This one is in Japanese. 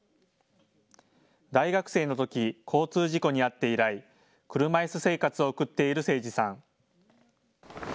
大学生のとき交通事故に遭って以来、車いす生活を送っている清司さん。